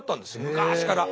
昔から。